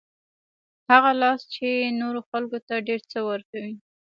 هغه لاس چې نورو خلکو ته ډېر څه ورکوي.